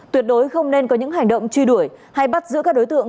tuyệt đối không nên có những hành động truy đuổi hay bắt giữ các đối tượng